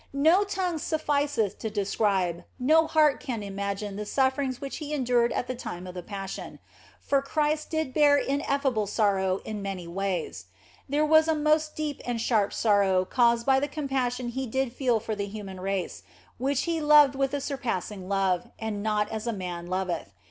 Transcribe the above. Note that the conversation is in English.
No tongue sufficeth to describe, no heart can imagine the sufferings which He endured at the time of the Passion ; for Christ did bear ineffable sorrow in many ways. There was a most deep and sharp sorrow caused by the compassion He did feel for the human race, which 74 THE BLESSED ANGELA He loved with a surpassing love, and not as man loveth.